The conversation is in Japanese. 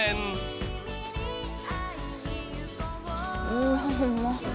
うわうまっ。